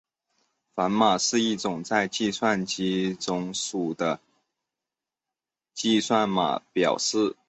反码是一种在计算机中数的机器码表示。